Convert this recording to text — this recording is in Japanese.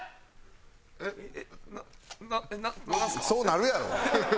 そうなるやろ。